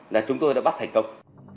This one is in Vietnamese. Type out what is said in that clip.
là chúng tôi đã bắt thành công